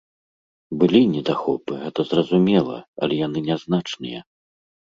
Былі недахопы, гэта зразумела, але яны нязначныя.